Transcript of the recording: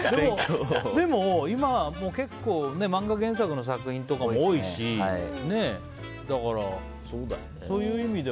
でも今漫画原作の作品とか多いしそういう意味では。